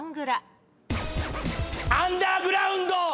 アンダーグラウンド！